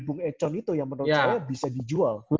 bung econ itu yang menurut saya bisa dijual